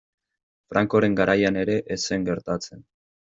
Francoren garaian ere ez zen gertatzen.